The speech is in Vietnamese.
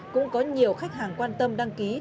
cũng có nhiều khách hàng quan tâm đăng ký